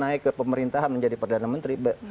naik ke pemerintahan menjadi perdana menteri